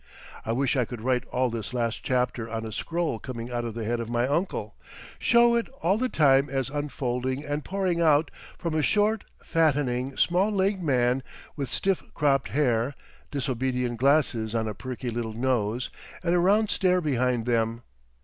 I wish I could write all this last chapter on a scroll coming out of the head of my uncle, show it all the time as unfolding and pouring out from a short, fattening, small legged man with stiff cropped hair, disobedient glasses on a perky little nose, and a round stare behind them.